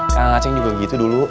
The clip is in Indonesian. kakak ngaceng juga begitu dulu